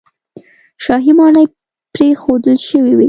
شاهي ماڼۍ پرېښودل شوې وې.